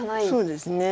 そうですね。